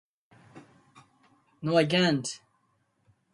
no I can't